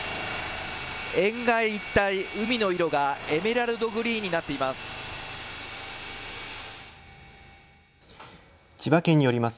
沿岸一帯、海の色がエメラルドグリーンになっています。